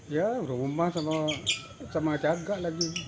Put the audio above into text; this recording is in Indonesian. ya rumah sama jaga lagi